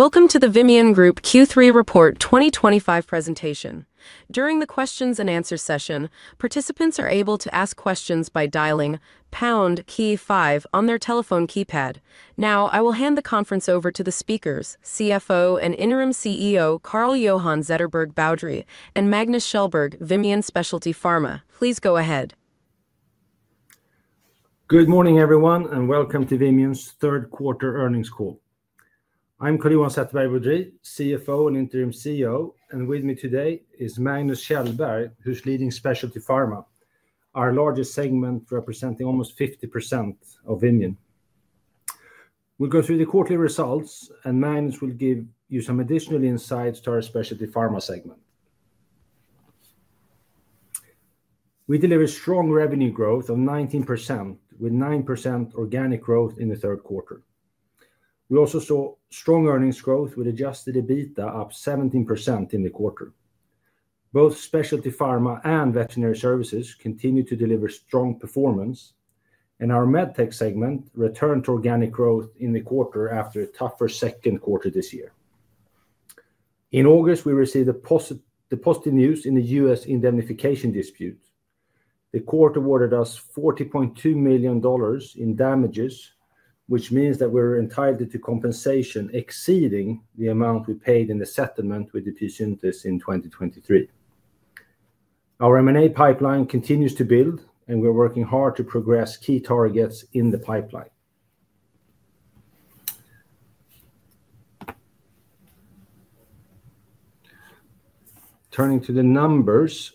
Welcome to the Vimian group Q3 report 2025 presentation. During the questions-and-answers session, participants are able to ask questions by dialing *KEY-5 on their telephone keypad. Now, I will hand the conference over to the speakers, CFO and Interim CEO Carl-Johan Zetterberg Boudrie and Magnus Kjellberg, Vimian Specialty Pharma. Please go ahead. Good morning, everyone, and welcome to Vimian's third quarter earnings call. I'm Carl-Johan Zetterberg Boudrie, CFO and Interim CEO, and with me today is Magnus Kjellberg, who's leading Specialty Pharma, our largest segment representing almost 50% of Vimian. We'll go through the quarterly results, and Magnus will give you some additional insights to our Specialty Pharma segment. We delivered strong revenue growth of 19%, with 9% organic growth in the third quarter. We also saw strong earnings growth with adjusted EBITDA up 17% in the quarter. Both Specialty Pharma and Veterinary Services continue to deliver strong performance, and our MedTech segment returned to organic growth in the quarter after a tougher second quarter this year. In August, we received the positive news in the U.S. indemnification dispute. The court awarded us $40.2 million in damages, which means that we're entitled to compensation exceeding the amount we paid in the settlement with the Tusyntis in 2023. Our M&A pipeline continues to build, and we're working hard to progress key targets in the pipeline. Turning to the numbers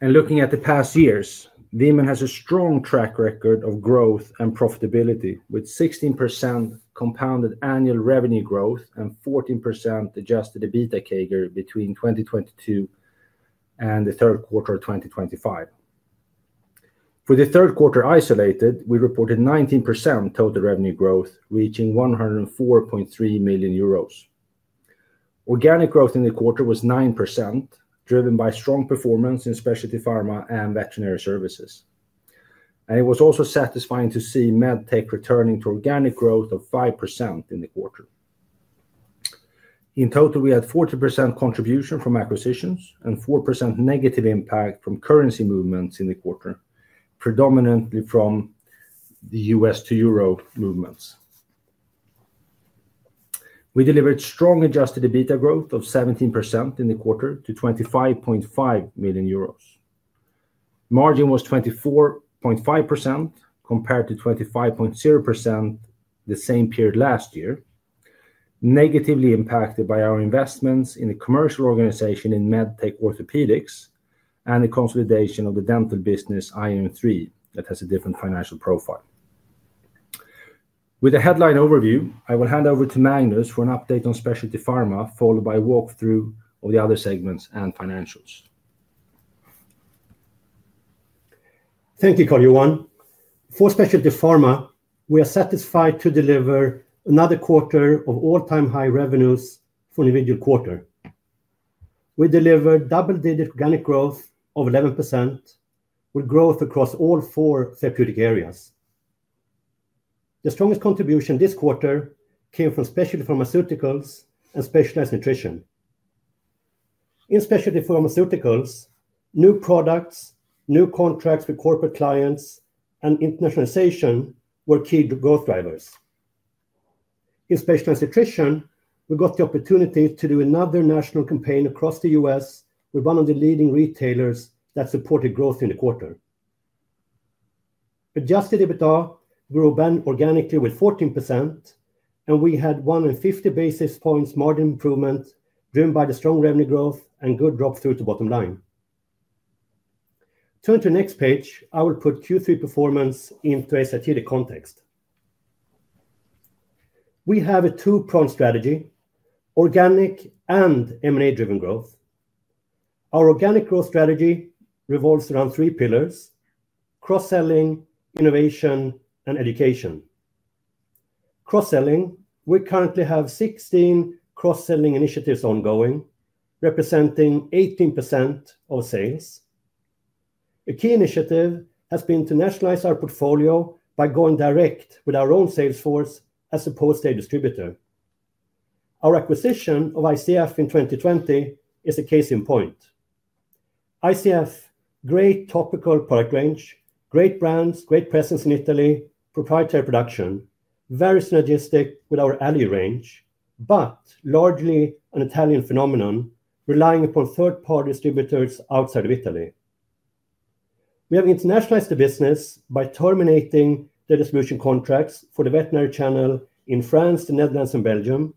and looking at the past years, Vimian has a strong track record of growth and profitability, with 16% compounded annual revenue growth and 14% adjusted EBITDA CAGR between 2022 and the third quarter of 2025. For the third quarter isolated, we reported 19% total revenue growth, reaching 104.3 million euros. Organic growth in the quarter was 9%, driven by strong performance in Specialty Pharma and Veterinary Services. It was also satisfying to see MedTech returning to organic growth of 5% in the quarter. In total, we had 40% contribution from acquisitions and 4% negative impact from currency movements in the quarter, predominantly from the U.S. to Euro movements. We delivered strong adjusted EBITDA growth of 17% in the quarter to 25.5 million euros. Margin was 24.5% compared to 25.0% the same period last year, negatively impacted by our investments in the commercial organization in MedTech Orthopedics and the consolidation of the dental business, IM3, that has a different financial profile. With the headline overview, I will hand over to Magnus for an update on Specialty Pharma, followed by a walkthrough of the other segments and financials. Thank you, Carl-Johan. For Specialty Pharma, we are satisfied to deliver another quarter of all-time high revenues for an individual quarter. We delivered double-digit organic growth of 11%, with growth across all four therapeutic areas. The strongest contribution this quarter came from Specialty Pharmaceuticals and Specialized Nutrition. In Specialty Pharmaceuticals, new products, new contracts with corporate clients, and internationalization were key growth drivers. In Specialized Nutrition, we got the opportunity to do another national campaign across the U.S. with one of the leading retailers that supported growth in the quarter. Adjusted EBITDA grew organically with 14%, and we had 150 basis points margin improvement, driven by the strong revenue growth and good drop through to bottom line. Turn to the next page. I will put Q3 performance into a strategic context. We have a two-pronged strategy: organic and M&A-driven growth. Our organic growth strategy revolves around three pillars: cross-selling, innovation, and education. Cross-selling, we currently have 16 cross-selling initiatives ongoing, representing 18% of sales. A key initiative has been to nationalize our portfolio by going direct with our own sales force as opposed to a distributor. Our acquisition of ICF in 2020 is a case in point. ICF, great topical product range, great brands, great presence in Italy, proprietary production, very synergistic with our Alli range, but largely an Italian phenomeon relying upon third-party distributors outside of Italy. We have internationalized the business by terminating the distribution contracts for the veterinary channel in France, the Netherlands, and Belgium.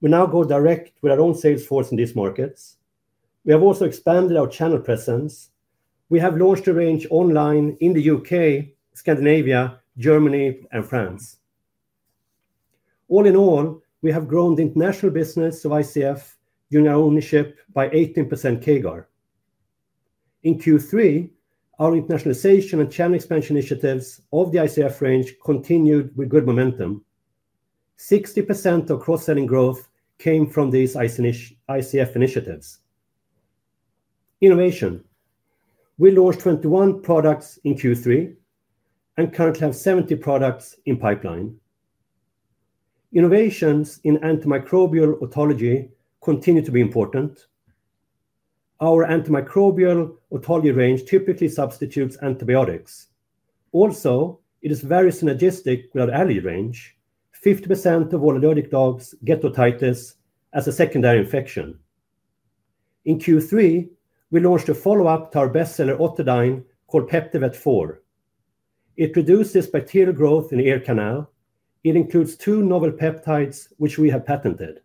We now go direct with our own sales force in these markets. We have also expanded our channel presence. We have launched a range online in the U.K., Scandinavia, Germany, and France. All in all, we have grown the international business of ICF during our ownership by 18% CAGR. In Q3, our internationalization and channel expansion initiatives of the ICF range continued with good momentum. 60% of cross-selling growth came from these ICF initiatives. Innovation, we launched 21 products in Q3 and currently have 70 products in pipeline. Innovations in antimicrobial autology continue to be important. Our antimicrobial autology range typically substitutes antibiotics. Also, it is very synergistic with our Alli range. 50% of all allergic dogs get otitis as a secondary infection. In Q3, we launched a follow-up to our best-seller Otodyne called Peptivet 4. It reduces bacterial growth in the ear canal. It includes two novel peptides, which we have patented.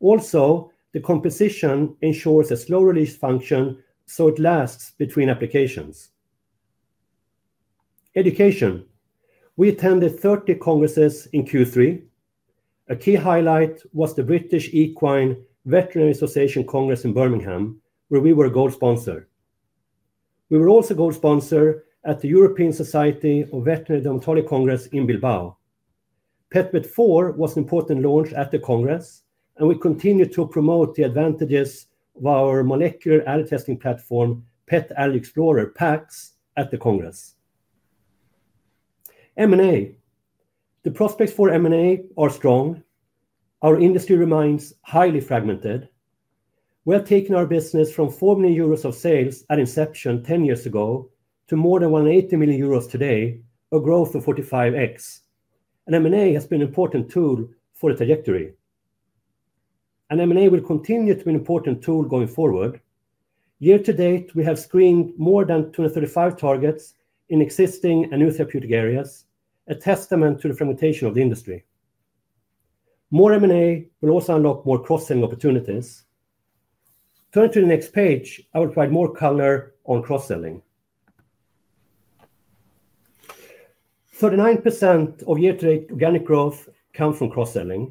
Also, the composition ensures a slow-release function, so it lasts between applications. Education, we attended 30 congresses in Q3. A key highlight was the British Equine Veterinary Association Congress in Birmingham, where we were a gold sponsor. We were also a gold sponsor at the European Society of Veterinary Dermatology Congress in Bilbao. Peptivet 4 was an important launch at the Congress, and we continue to promote the advantages of our molecular allergy testing platform, Pet Allergy Explorer, PAX, at the Congress. M&A, the prospects for M&A are strong. Our industry remains highly fragmented. We have taken our business from 4 million euros of sales at inception 10 years ago to more than 180 million euros today, a growth of 45x. M&A has been an important tool for the trajectory. M&A will continue to be an important tool going forward. Year-to-date, we have screened more than 235 targets in existing and new therapeutic areas, a testament to the fragmentation of the industry. More M&A will also unlock more cross-selling opportunities. Turning to the next page, I will provide more color on cross-selling. 39% of year-to-date organic growth come from cross-selling.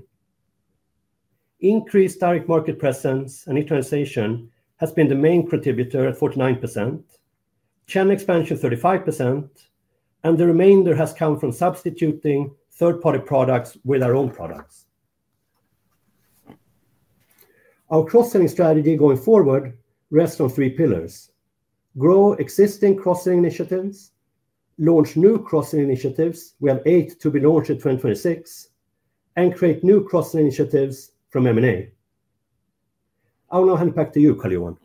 Increased direct market presence and internationalization has been the main contributor at 49%. Channel expansion 35%, and the remainder has come from substituting third-party products with our own products. Our cross-selling strategy going forward rests on three pillars: grow existing cross-selling initiatives, launch new cross-selling initiatives. We have eight to be launched in 2026, and create new cross-selling initiatives from M&A. I will now hand it back to you, Carl-Johan.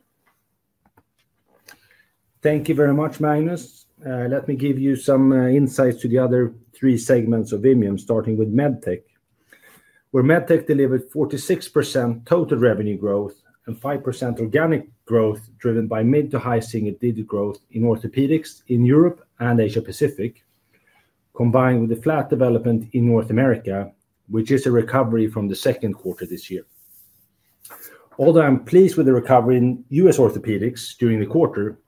Thank you very much, Magnus. Let me give you some insights to the other three segments of Vimian, starting with MedTech, where MedTech delivered 46% total revenue growth and 5% organic growth, driven by mid-to-high single-digit growth in orthopedics in Europe and Asia-Pacific, combined with a flat development in North America, which is a recovery from the second quarter this year. Although I'm pleased with the recovery in U.S. orthopedics during the quarter,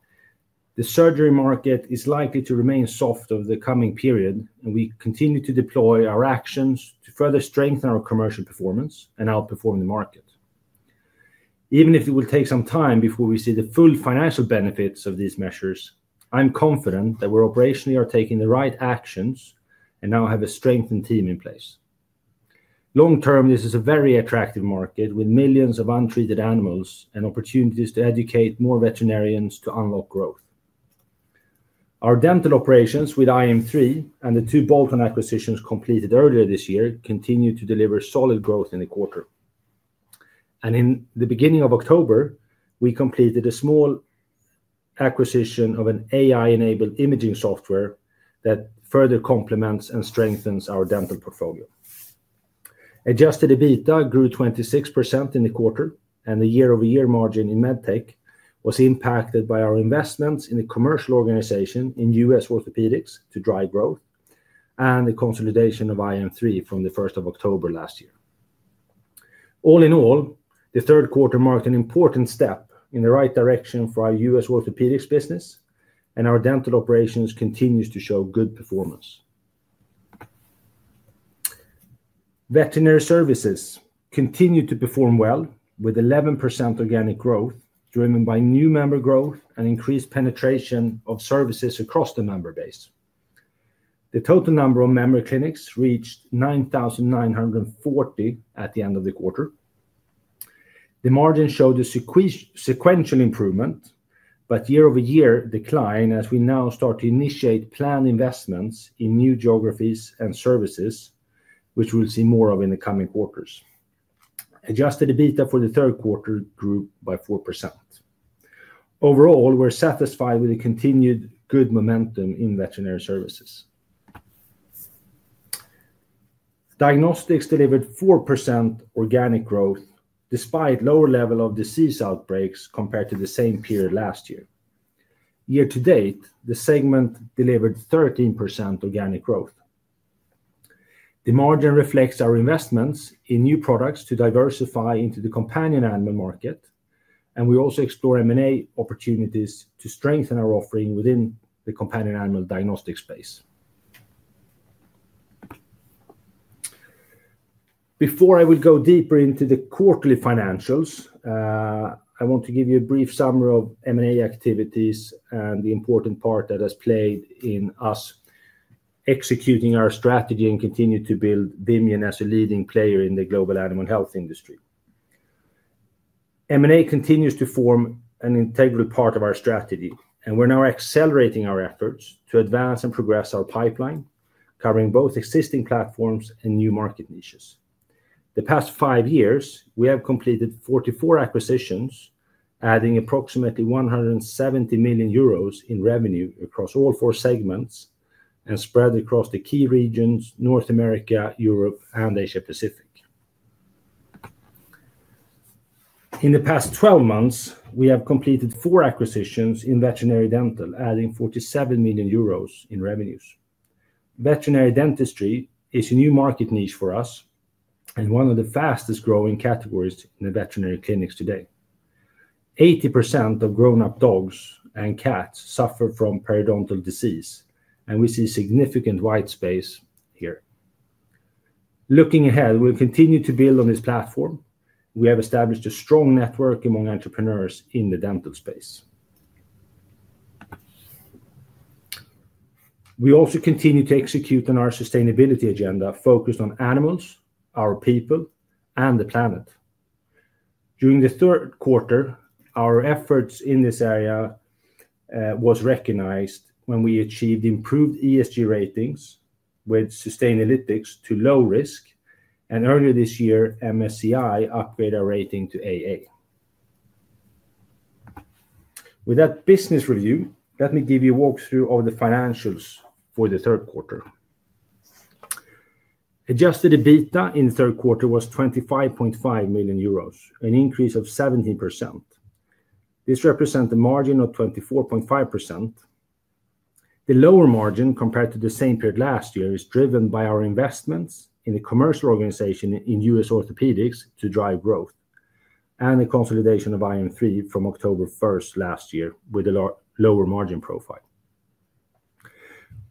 the surgery market is likely to remain soft over the coming period, and we continue to deploy our actions to further strengthen our commercial performance and outperform the market. Even if it will take some time before we see the full financial benefits of these measures, I'm confident that we operationally are taking the right actions and now have a strengthened team in place. Long-term, this is a very attractive market with millions of untreated animals and opportunities to educate more veterinarians to unlock growth. Our dental operations with iM3 and the two Bolton acquisitions completed earlier this year continue to deliver solid growth in the quarter. In the beginning of October, we completed a small acquisition of an AI-enabled imaging software that further complements and strengthens our dental portfolio. Adjusted EBITDA grew 26% in the quarter, and the year-over-year margin in MedTech was impacted by our investments in the commercial organization in U.S. orthopedics to drive growth and the consolidation of iM3 from the 1st of October last year. All in all, the third quarter marked an important step in the right direction for our U.S. orthopedics business, and our dental operations continue to show good performance. Veterinary Services continue to perform well, with 11% organic growth, driven by new member growth and increased penetration of services across the member base. The total number of member clinics reached 9,940 at the end of the quarter. The margin showed a sequential improvement, but year-over-year decline, as we now start to initiate planned investments in new geographies and services, which we'll see more of in the coming quarters. Adjusted EBITDA for the third quarter grew by 4%. Overall, we're satisfied with the continued good momentum in Veterinary Services. Diagnostics delivered 4% organic growth, despite a lower level of disease outbreaks compared to the same period last year. year-to-date, the segment delivered 13% organic growth. The margin reflects our investments in new products to diversify into the companion animal market, and we also explore M&A opportunities to strengthen our offering within the companion animal diagnostic space. Before I go deeper into the quarterly financials, I want to give you a brief summary of M&A activities and the important part that has played in us executing our strategy and continue to build Vimian as a leading player in the global animal health industry. M&A continues to form an integral part of our strategy, and we're now accelerating our efforts to advance and progress our pipeline, covering both existing platforms and new market niches. The past five years, we have completed 44 acquisitions, adding approximately 170 million euros in revenue across all four segments and spread across the key regions, North America, Europe, and Asia-Pacific. In the past 12 months, we have completed four acquisitions in veterinary dental, adding 47 million euros in revenues. Veterinary dentistry is a new market niche for us and one of the fastest-growing categories in the veterinary clinics today. 80% of grown-up dogs and cats suffer from periodontal disease, and we see significant white space here. Looking ahead, we'll continue to build on this platform. We have established a strong network among entrepreneurs in the dental space. We also continue to execute on our sustainability agenda focused on animals, our people, and the planet. During the third quarter, our efforts in this area were recognized when we achieved improved ESG ratings with sustainalytics to low risk, and earlier this year, MSCI upgraded our rating to AA. With that business review, let me give you a walkthrough of the financials for the third quarter. Adjusted EBITDA in the third quarter was 25.5 million euros, an increase of 17%. This represents a margin of 24.5%. The lower margin compared to the same period last year is driven by our investments in the commercial organization in US orthopedics to drive growth and the consolidation of IM3 from October 1st last year with a lower margin profile.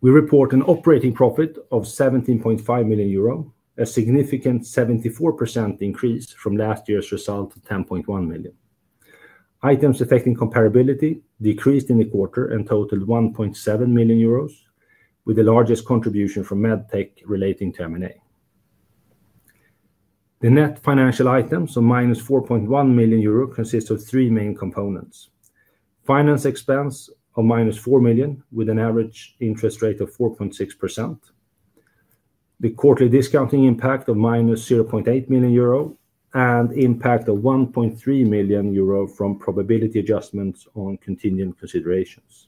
We report an operating profit of 17.5 million euro, a significant 74% increase from last year's result of 10.1 million. Items affecting comparability decreased in the quarter and totaled 1.7 million euros, with the largest contribution from MedTech relating to M&A. The net financial items of -4.1 million euro consist of three main components: finance expense of -4.0 million with an average interest rate of 4.6%, the quarterly discounting impact of -0.8 million euro, and the impact of 1.3 million euro from probability adjustments on continued considerations,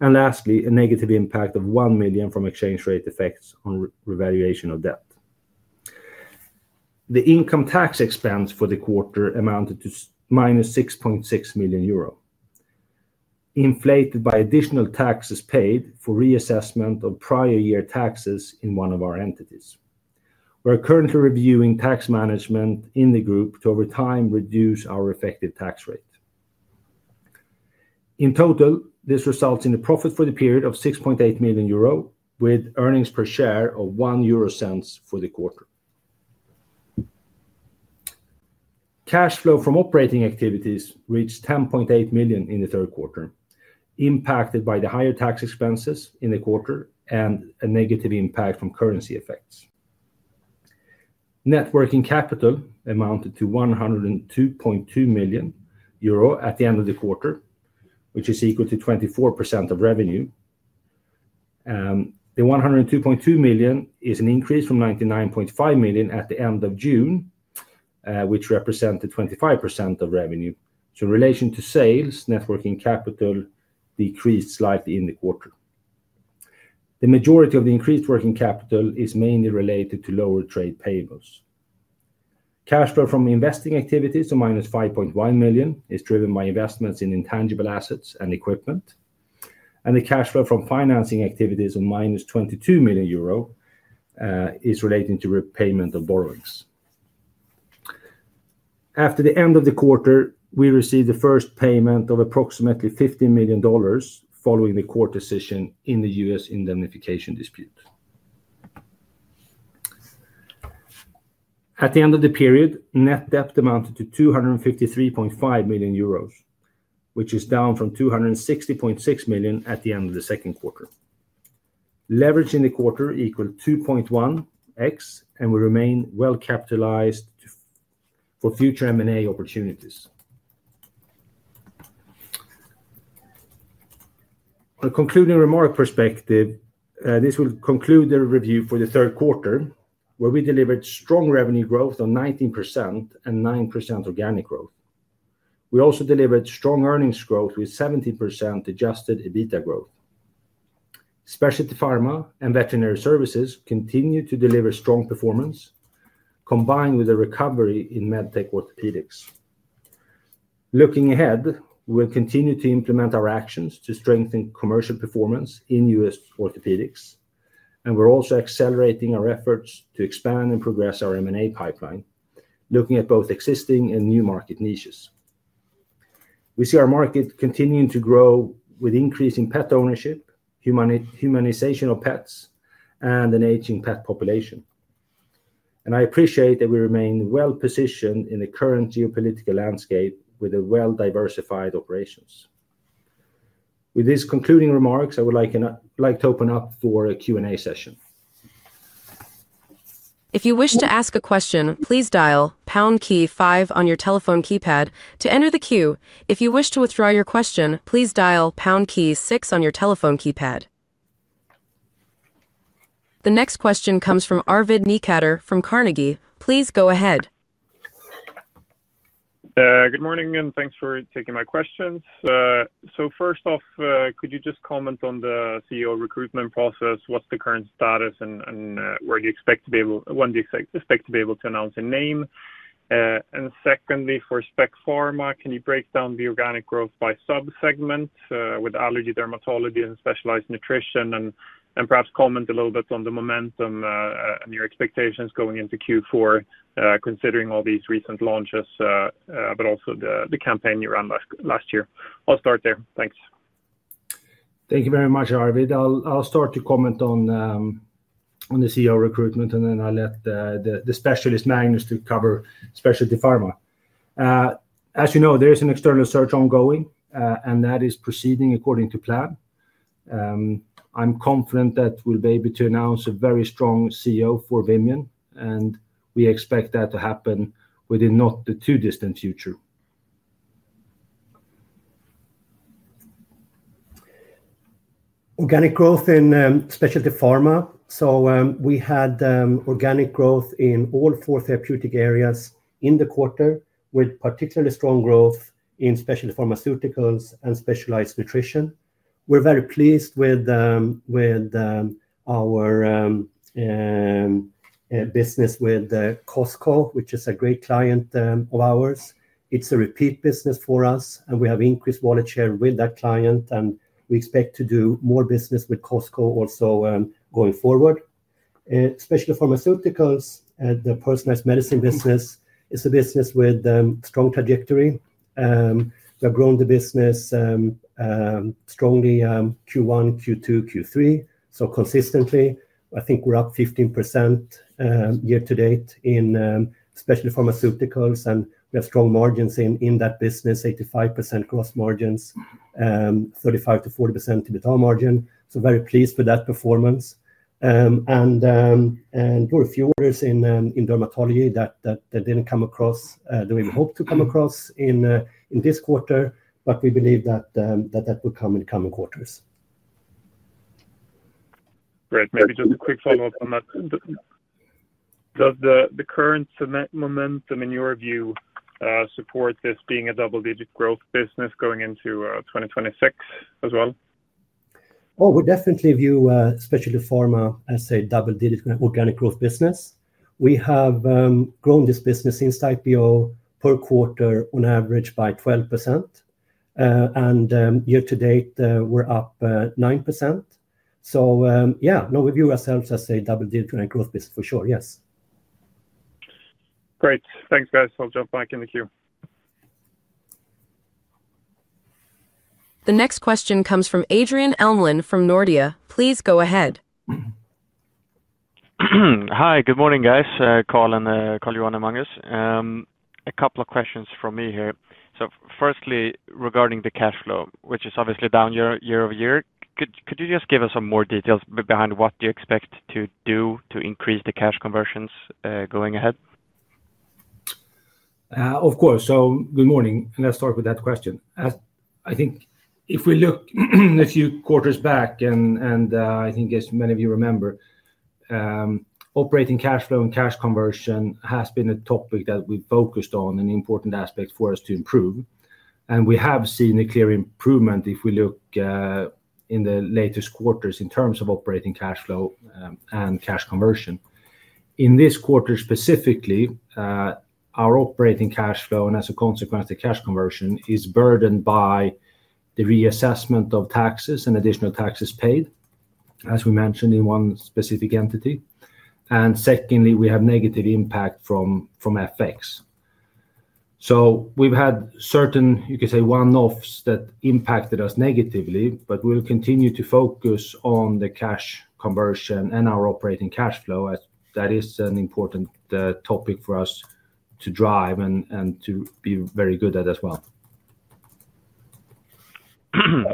and lastly, a negative impact of 1 million from exchange rate effects on revaluation of debt. The income tax expense for the quarter amounted to -6.6 million euro, inflated by additional taxes paid for reassessment of prior year taxes in one of our entities. We're currently reviewing tax management in the group to over time reduce our effective tax rate. In total, this results in a profit for the period of 6.8 million euro, with earnings per share of 0.01 for the quarter. Cash flow from operating activities reached 10.8 million in the third quarter, impacted by the higher tax expenses in the quarter and a negative impact from currency effects. Net working capital amounted to 102.2 million euro at the end of the quarter, which is equal to 24% of revenue. The 102.2 million is an increase from 99.5 million at the end of June, which represented 25% of revenue. In relation to sales, net working capital decreased slightly in the quarter. The majority of the increased working capital is mainly related to lower trade payables. Cash flow from investing activities of -5.1 million is driven by investments in intangible assets and equipment, and the cash flow from financing activities of -22 million euro is related to repayment of borrowings. After the end of the quarter, we received the first payment of approximately $15 million following the court decision in the U.S. indemnification dispute. At the end of the period, net debt amounted to 253.5 million euros, which is down from 260.6 million at the end of the second quarter. Leverage in the quarter equaled 2.1x, and we remain well-capitalized for future M&A opportunities. A concluding remark perspective, this will conclude the review for the third quarter, where we delivered strong revenue growth of 19% and 9% organic growth. We also delivered strong earnings growth with 17% adjusted EBITDA growth. Specialty Pharma and Veterinary Services continue to deliver strong performance, combined with a recovery in MedTech Orthopedics. Looking ahead, we'll continue to implement our actions to strengthen commercial performance in U.S. orthopedics, and we're also accelerating our efforts to expand and progress our M&A pipeline, looking at both existing and new market niches. We see our market continuing to grow with increasing pet ownership, humanization of pets, and an aging pet population. I appreciate that we remain well-positioned in the current geopolitical landscape with well-diversified operations. With these concluding remarks, I would like to open up for a Q&A session. If you wish to ask a question, please dial Pound key five on your telephone keypad to enter the queue. If you wish to withdraw your question, please dial Pound key six on your telephone keypad. The next question comes from Arvid Nykatter from Carnegie. Please go ahead. Good morning, and thanks for taking my questions. First off, could you just comment on the CEO recruitment process? What's the current status, and when do you expect to be able to announce a name? Secondly, for Specialty Pharma, can you break down the organic growth by subsegment with allergy, dermatology, and Specialized Nutrition? Perhaps comment a little bit on the momentum and your expectations going into Q4, considering all these recent launches, but also the campaign you ran last year. I'll start there. Thanks. Thank you very much, Arvid. I'll start to comment on the CEO recruitment, and then I'll let the specialist, Magnus, cover Specialty Pharma. As you know, there is an external search ongoing, and that is proceeding according to plan. I'm confident that we'll be able to announce a very strong CEO for Vimian, and we expect that to happen within not the too-distant future. Organic growth in Specialty Pharma. We had organic growth in all four therapeutic areas in the quarter, with particularly strong growth in Specialty Pharmaceuticals and Specialized Nutrition. We're very pleased with our business with Costco, which is a great client of ours. It's a repeat business for us, and we have increased wallet share with that client, and we expect to do more business with Costco also going forward. Specialty Pharmaceuticals, the personalized medicine business, is a business with a strong trajectory. We have grown the business strongly Q1, Q2, Q3, consistently. I think we're up 15% year-to-date in Specialty Pharmaceuticals, and we have strong margins in that business, 85% gross margins, 35%-40% EBITDA margin. We're very pleased with that performance. There were a few orders in dermatology that didn't come across the way we hoped to come across in this quarter, but we believe that will come in the coming quarters. Great. Maybe just a quick follow-up on that. Does the current cement momentum in your view support this being a double-digit growth business going into 2026 as well? We definitely view Specialty Pharma as a double-digit organic growth business. We have grown this business since IPO per quarter on average by 12%, and year-to-date, we're up 9%. Yeah, we view ourselves as a double-digit organic growth business for sure, yes. Great. Thanks, guys. I'll jump back in the queue. The next question comes from Adrian Elmlund from Nordea. Please go ahead. Hi, good morning, guys. Carl-Johan and Magnus. A couple of questions from me here. Firstly, regarding the cash flow, which is obviously down year over year, could you just give us some more details behind what you expect to do to increase the cash conversions going ahead? Of course. Good morning, and let's start with that question. I think if we look a few quarters back, and I think as many of you remember, operating cash flow and cash conversion has been a topic that we focused on and an important aspect for us to improve. We have seen a clear improvement if we look in the latest quarters in terms of operating cash flow and cash conversion. In this quarter specifically, our operating cash flow, and as a consequence, the cash conversion is burdened by the reassessment of taxes and additional taxes paid, as we mentioned in one specific entity. Secondly, we have negative impact from FX. We've had certain, you could say, one-offs that impacted us negatively, but we'll continue to focus on the cash conversion and our operating cash flow as that is an important topic for us to drive and to be very good at as well.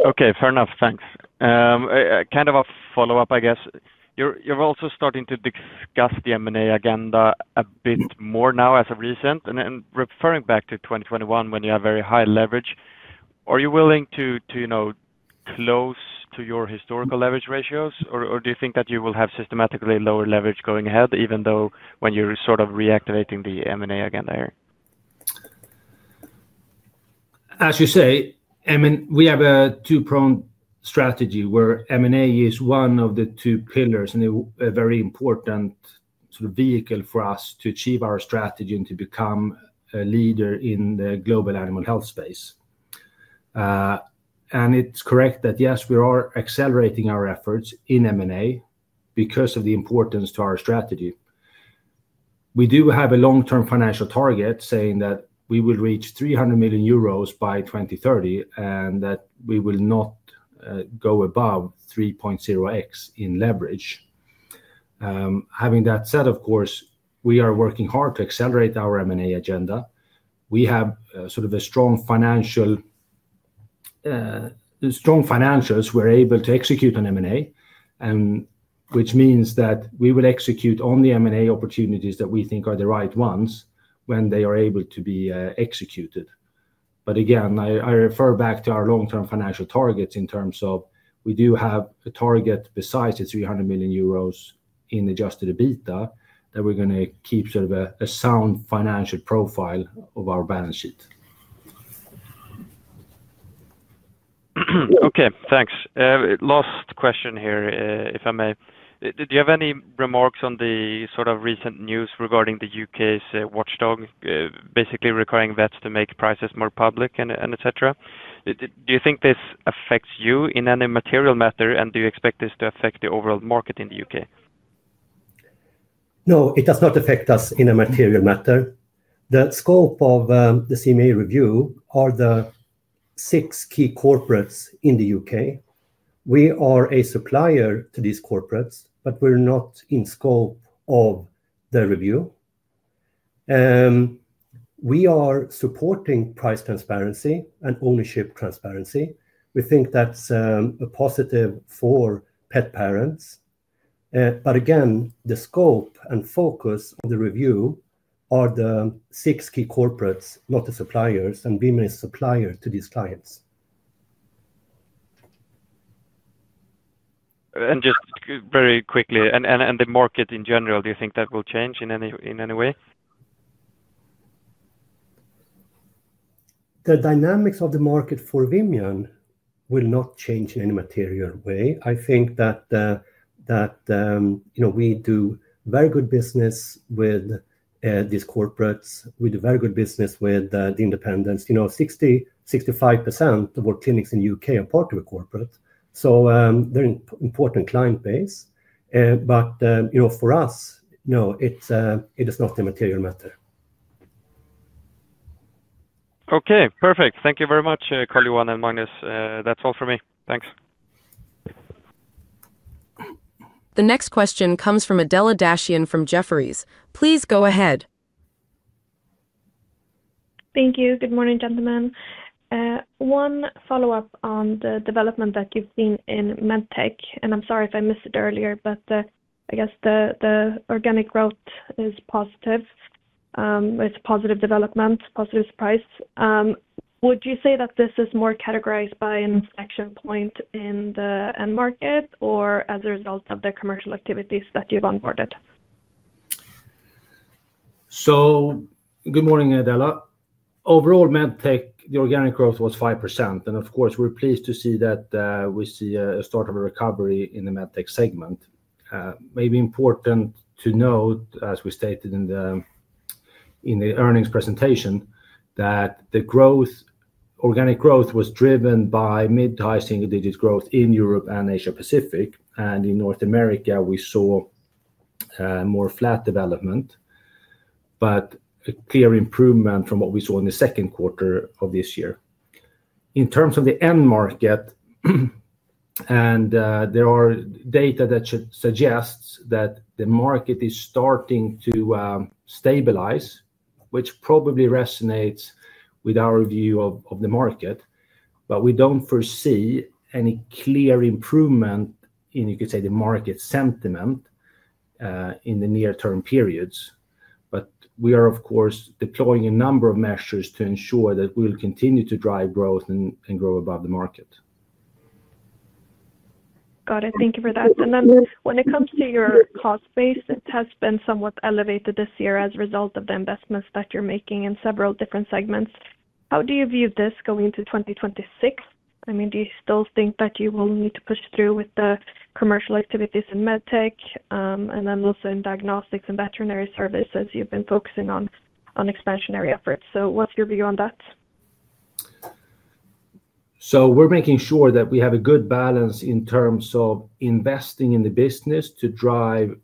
Okay, fair enough. Thanks. Kind of a follow-up, I guess. You're also starting to discuss the M&A agenda a bit more now as of recent. Referring back to 2021, when you have very high leverage, are you willing to, you know, close to your historical leverage ratios, or do you think that you will have systematically lower leverage going ahead, even though when you're sort of reactivating the M&A again there? As you say, we have a two-pronged strategy where M&A is one of the two pillars and a very important sort of vehicle for us to achieve our strategy and to become a leader in the global animal health space. It's correct that, yes, we are accelerating our efforts in M&A because of the importance to our strategy. We do have a long-term financial target saying that we will reach 300 million euros by 2030 and that we will not go above 3.0x in leverage. Having that said, of course, we are working hard to accelerate our M&A agenda. We have strong financials, we're able to execute on M&A, which means that we will execute on the M&A opportunities that we think are the right ones when they are able to be executed. I refer back to our long-term financial targets in terms of we do have a target besides the 300 million euros in adjusted EBITDA that we're going to keep a sound financial profile of our balance sheet. Okay, thanks. Last question here, if I may. Do you have any remarks on the sort of recent news regarding the U.K.'s watchdog basically requiring vets to make prices more public, et cetera? Do you think this affects you in any material matter, and do you expect this to affect the overall market in the U.K.? No, it does not affect us in a material matter. The scope of the CMA review are the six key corporates in the U.K.. We are a supplier to these corporates, but we're not in scope of the review. We are supporting price transparency and ownership transparency. We think that's a positive for pet parents. Again, the scope and focus of the review are the six key corporates, not the suppliers, and Vimian is a supplier to these clients. Very quickly, the market in general, do you think that will change in any way? The dynamics of the market for Vimian will not change in any material way. I think that we do very good business with these corporates. We do very good business with the independents. You know, 65% of all clinics in the U.K. are part of a corporate. They're an important client base. For us, no, it is not a material matter. Okay, perfect. Thank you very much, Carl-Johan and Magnus. That's all for me. Thanks. The next question comes from Adela Dashian from Jefferies. Please go ahead. Thank you. Good morning, gentlemen. One follow-up on the development that you've seen in MedTech. I'm sorry if I missed it earlier, but I guess the organic growth is positive. It's a positive development, positive surprise. Would you say that this is more categorized by an inflection point in the end market or as a result of the commercial activities that you've onboarded? Good morning, Adela. Overall, MedTech, the organic growth was 5%, and of course, we're pleased to see that we see a start of a recovery in the MedTech segment. It may be important to note, as we stated in the earnings presentation, that the organic growth was driven by mid-to-high single-digit growth in Europe and Asia-Pacific. In North America, we saw more flat development, but a clear improvement from what we saw in the second quarter of this year. In terms of the end market, there are data that suggest that the market is starting to stabilize, which probably resonates with our view of the market. We don't foresee any clear improvement in, you could say, the market sentiment in the near-term periods. We are, of course, deploying a number of measures to ensure that we'll continue to drive growth and grow above the market. Got it. Thank you for that. When it comes to your cost base, it has been somewhat elevated this year as a result of the investments that you're making in several different segments. How do you view this going into 2026? Do you still think that you will need to push through with the commercial activities in MedTech and also in Diagnostics and Veterinary Services? You've been focusing on expansionary efforts. What's your view on that? We're making sure that we have a good balance in terms of investing in the business to drive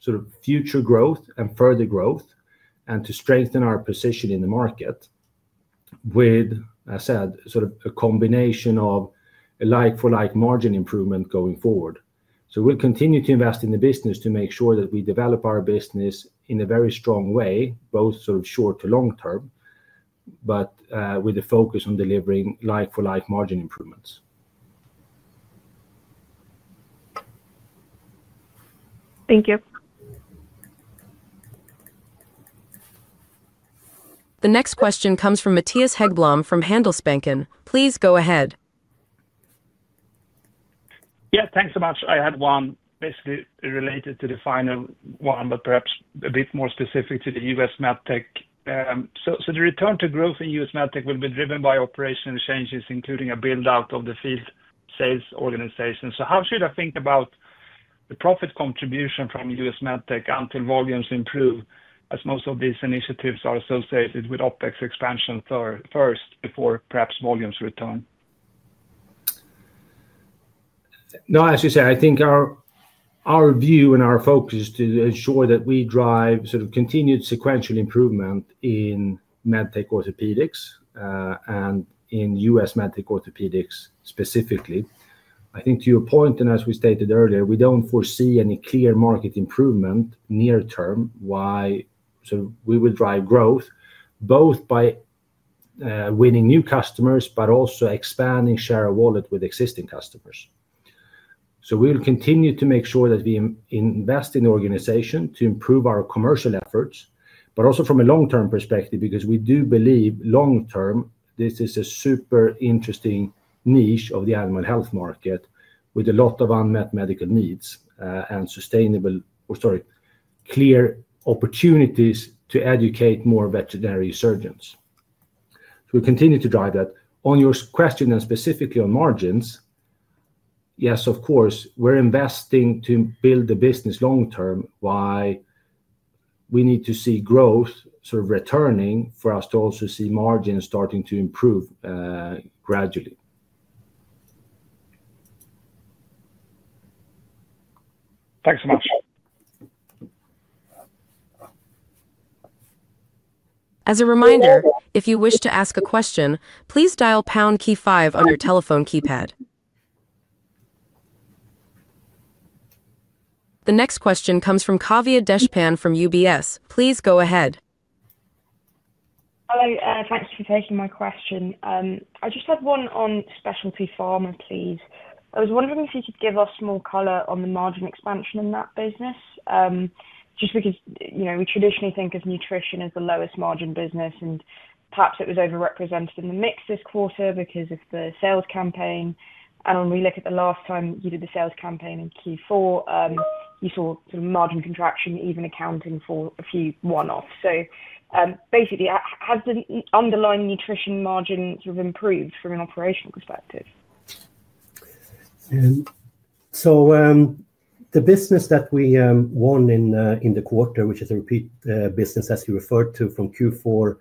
sort of future growth and further growth and to strengthen our position in the market with, as I said, sort of a combination of a like-for-like margin improvement going forward. We'll continue to invest in the business to make sure that we develop our business in a very strong way, both sort of short to long term, but with a focus on delivering like-for-like margin improvements. Thank you. The next question comes from Mattias Haggblom from Handelsbanken. Please go ahead. Yeah, thanks so much. I had one basically related to the final one, but perhaps a bit more specific to the U.S. MedTech. The return to growth in U.S. MedTech will be driven by operational changes, including a build-out of the field sales organization. How should I think about the profit contribution from U.S. MedTech until volumes improve, as most of these initiatives are associated with OpEx expansion first before perhaps volumes return? No, as you say, I think our view and our focus is to ensure that we drive continued sequential improvement in MedTech Orthopedics and in U.S. MedTech Orthopedics specifically. I think to your point, and as we stated earlier, we don't foresee any clear market improvement near term. We will drive growth both by winning new customers, but also expanding share of wallet with existing customers. We will continue to make sure that we invest in the organization to improve our commercial efforts, but also from a long-term perspective because we do believe long term, this is a super interesting niche of the animal health market with a lot of unmet medical needs and clear opportunities to educate more veterinary surgeons. We'll continue to drive that. On your question and specifically on margins, yes, of course, we're investing to build the business long term. We need to see growth returning for us to also see margins starting to improve gradually. Thanks so much. As a reminder, if you wish to ask a question, please dial Pound key 5 on your telephone keypad. The next question comes from Kavya Deshpan from UBS. Please go ahead. Hello. Thanks for taking my question. I just had one on Specialty Pharma, please. I was wondering if you could give us more color on the margin expansion in that business, just because we traditionally think of nutrition as the lowest margin business, and perhaps it was overrepresented in the mix this quarter because of the sales campaign. When we look at the last time you did the sales campaign in Q4, you saw sort of margin contraction, even accounting for a few one-offs. Basically, has the underlying nutrition margin sort of improved from an operational perspective? The business that we won in the quarter, which is a repeat business, as you referred to from Q4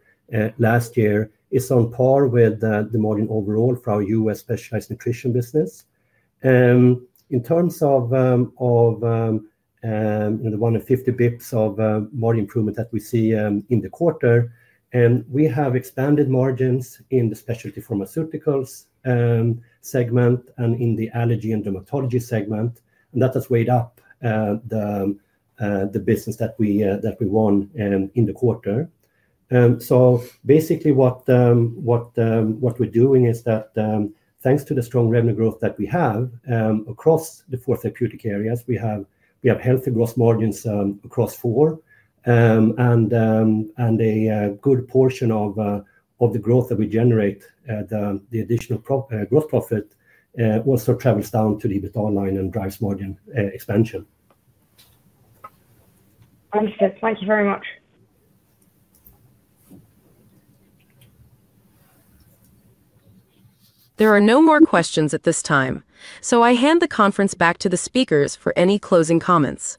last year, is on par with the margin overall for our U.S. Specialized Nutrition business. In terms of the 150 bps of margin improvement that we see in the quarter, we have expanded margins in the Specialty Pharmaceuticals segment and in the allergy and dermatology segment, and that has weighed up the business that we won in the quarter. Basically, what we're doing is that thanks to the strong revenue growth that we have across the four therapeutic areas, we have healthy gross margins across four, and a good portion of the growth that we generate, the additional gross profit, also travels down to the EBITDA line and drives margin expansion. Understood. Thank you very much. There are no more questions at this time, so I hand the conference back to the speakers for any closing comments.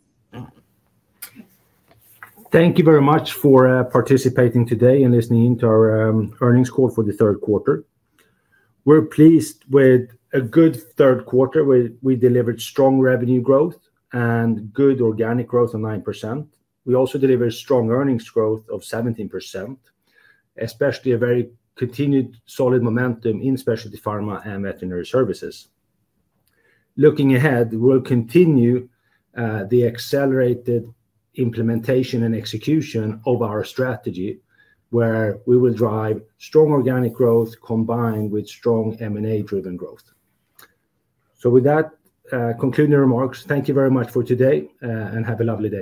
Thank you very much for participating today and listening in to our earnings call for the third quarter. We're pleased with a good third quarter. We delivered strong revenue growth and good organic growth of 9%. We also delivered strong earnings growth of 17%, especially a very continued solid momentum in Specialty Pharma and Veterinary Services. Looking ahead, we'll continue the accelerated implementation and execution of our strategy, where we will drive strong organic growth combined with strong M&A-driven growth. With that concluding remarks, thank you very much for today, and have a lovely day.